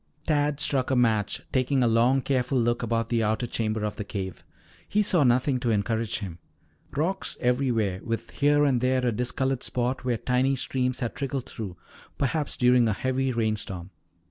Tad struck a match, taking a long, careful look about the outer chamber of the cave. He saw nothing to encourage him. Rocks everywhere, with here and there a discolored spot where tiny streams had trickled through, perhaps during a heavy rainstorm.